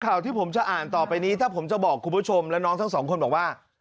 ข่าวที่ผมจะอ่านต่อไปนี้ถ้าผมจะบอกคุณผู้ชมและน้องทั้งสองคนบอกว่า